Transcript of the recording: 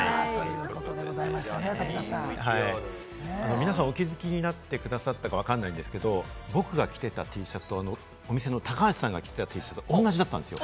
皆さん、お気づきになってくださったかわからないんですけれども、僕が着てたＴシャツとお店の高橋さんが着てたＴシャツ同じだったんですよ。